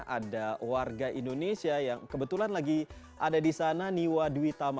ada warga indonesia yang kebetulan lagi ada di sana niwa dwi tama